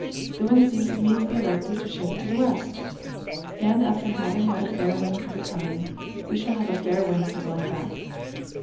The wind seems to me to be likely to shift to the west, and after having had a fair wind for coming we shall have a fair wind for going back."